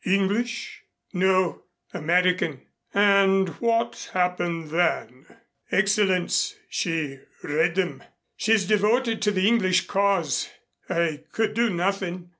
"English?" "No, American." "And what happened then?" "Excellenz, she read them. She is devoted to the English cause. I could do nothing.